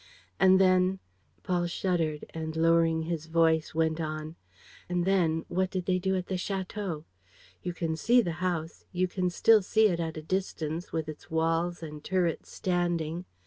And then ..." Paul shuddered and, lowering his voice, went on, "And then ... what did they do at the château? You can see the house, you can still see it at a distance, with its walls and turrets standing.